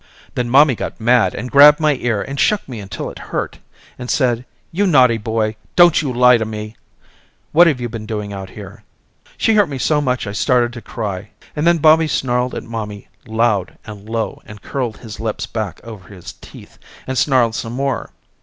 Then mommy got mad and grabbed my ear and shook me until it hurt and said you naughty boy, don't you lie to me, what have you been doing out here? She hurt me so much I started to cry and then Bobby snarled at mommy loud and low and curled his lips back over his teeth and snarled some more.